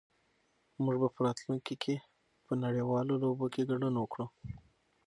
موږ به په راتلونکي کې په نړيوالو لوبو کې ګډون وکړو.